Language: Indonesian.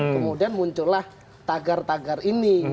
kemudian muncullah tagar tagar ini